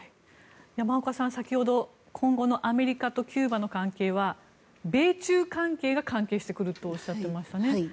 山岡さん、先ほど今後のアメリカとキューバの関係は米中関係が関係してくるとおっしゃっていましたね。